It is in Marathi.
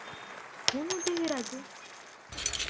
कोण होते हे राजे?